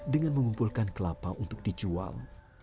dengan mengumpulkan kelapa untuk dijual